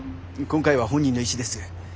今回は本人の意思です。